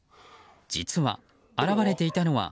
実は、現れていたのは